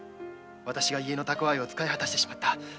わたしが家の蓄えを使い果たしてしまった。